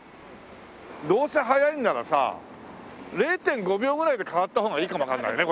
どうせ早いならさ０．５秒ぐらいで変わった方がいいかもわかんないね